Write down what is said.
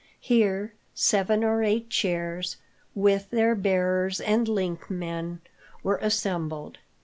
Here seven or eight chairs, with their bearers and link men, were assembled.